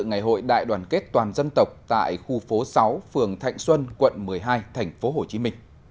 ngày hội đại đoàn kết toàn dân tộc tại khu phố sáu phường thạnh xuân quận một mươi hai tp hcm